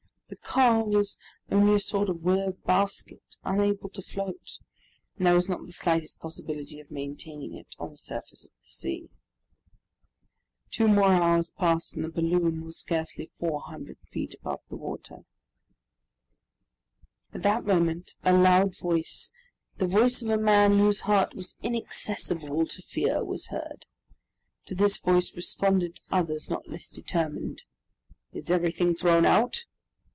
The car was only a sort of willow basket, unable to float, and there was not the slightest possibility of maintaining it on the surface of the sea. Two more hours passed and the balloon was scarcely 400 feet above the water. At that moment a loud voice, the voice of a man whose heart was inaccessible to fear, was heard. To this voice responded others not less determined. "Is everything thrown out?"